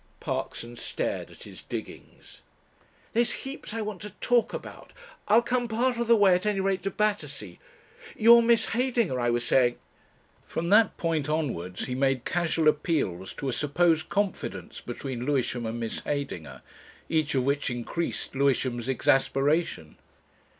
Parkson stared at his "diggings." "There's Heaps I want to talk about. I'll come part of the way at any rate to Battersea. Your Miss Heydinger, I was saying ..." From that point onwards he made casual appeals to a supposed confidence between Lewisham and Miss Heydinger, each of which increased Lewisham's exasperation.